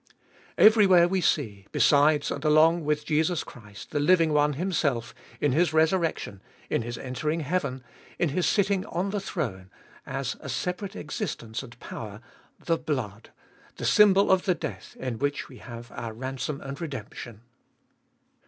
Everywhere we see, besides and along with Jesus Christ, the living One Himself, in His resurrection, in His entering heaven, in His sitting on the throne, as a separate existence and power, the blood, the symbol of the death in which we have our ransom and redemption.